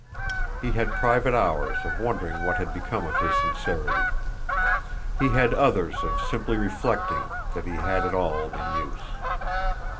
He had private hours of wondering what had become of his sincerity; he had others of simply reflecting that he had it all in use.